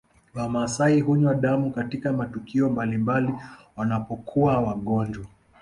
Wamaasai hunywa damu katika matukio mbalimbali wanapokuwa wagonjwa